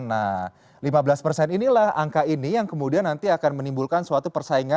nah lima belas persen inilah angka ini yang kemudian nanti akan menimbulkan suatu persaingan